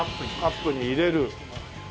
カップに入れる。